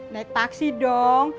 naik taksi dong